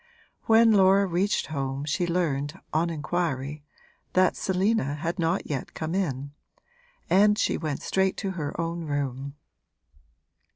When Laura reached home she learned, on inquiry, that Selina had not yet come in, and she went straight to her own room.